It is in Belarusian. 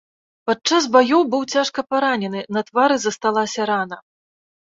Падчас баёў быў цяжка паранены, на твары засталася рана.